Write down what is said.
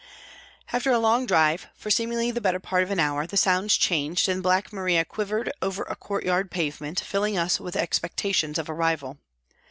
After a long drive, for seemingly the better part of an hour, the sounds changed and Black Maria quivered over a courtyard pavement, filling us with expectations of arrival.